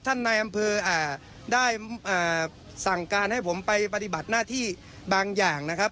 นายอำเภอได้สั่งการให้ผมไปปฏิบัติหน้าที่บางอย่างนะครับ